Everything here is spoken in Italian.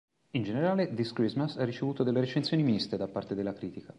In generale, "This Christmas" ha ricevuto delle recensioni miste da parte della critica.